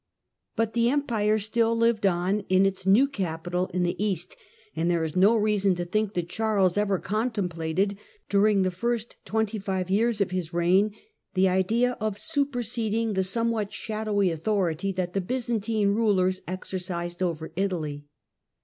But the Empire still lived on in its new capital in the East, and there is no reason to think that Charles ever contemplated, during the first twenty five years of his reign, the idea of superseding the some what shadowy authority that the Byzantine rulers exercised over Italy.